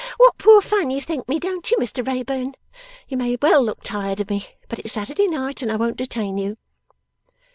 'What poor fun you think me; don't you, Mr Wrayburn? You may well look tired of me. But it's Saturday night, and I won't detain you.